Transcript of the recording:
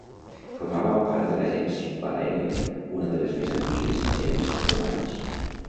Formava part de la gens Valèria, una de les més antigues gens romanes.